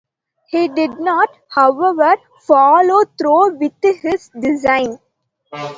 He did not, however, follow through with his design.